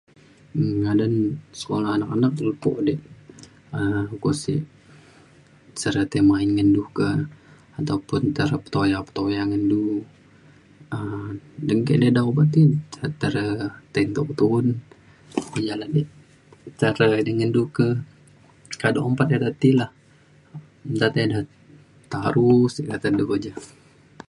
um ngadan sekula anak anak lepo de um ukok sek re tei main ngan du ka atau pun tei re petoya petoya ngan du um dengke de eda obak ti ne ca te re tai entu ke tu'un ja la ke tei re di ngan du ke kado ompat ida ti lah nta te ida taru sik kata du keja